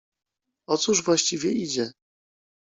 — O cóż właściwie idzie?